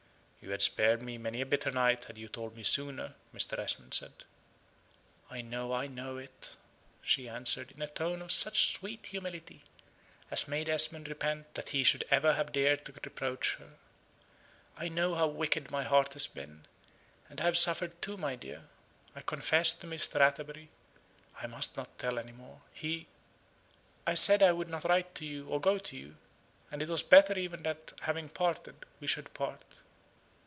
"You had spared me many a bitter night, had you told me sooner," Mr. Esmond said. "I know it, I know it," she answered, in a tone of such sweet humility, as made Esmond repent that he should ever have dared to reproach her. "I know how wicked my heart has been; and I have suffered too, my dear. I confessed to Mr. Atterbury I must not tell any more. He I said I would not write to you or go to you and it was better even that having parted, we should part.